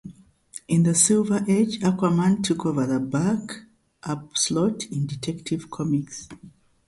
In the Silver Age, Aquaman took over the back-up slot in "Detective Comics".